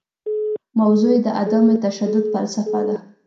موضوع یې د عدم تشدد فلسفه ده.